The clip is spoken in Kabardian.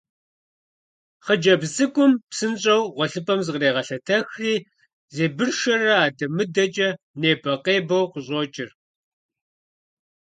Хъыджэбз цӏыкӏум псынщӏэу гъуэлъыпӏэм зыкърегъэлъэтэхри, зебыршэрэ адэ-мыдэкӏэ небэ-къебэу къыщӏокӏыр.